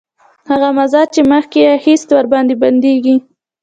هغه مزد چې مخکې یې اخیست ورباندې بندېږي